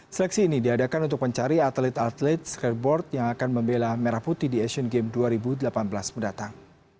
seleksi ini diadakan untuk mencari atlet atlet skateboard yang akan membela merah putih di asian games dua ribu delapan belas mendatang